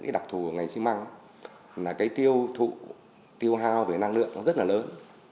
đặc thù của ngành xi măng là tiêu thụ tiêu hoa về năng lượng rất lớn